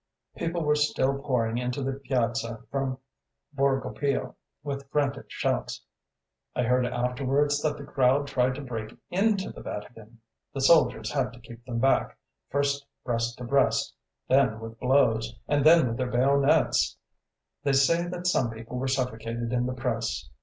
People were still pouring into the piazza from Borgo Pio with frantic shouts. I heard afterwards that the crowd tried to break into the Vatican; the soldiers had to keep them back, first breast to breast, then with blows, and then with their bayonets. They say that some people were suffocated in the press.